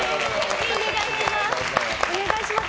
お願いします。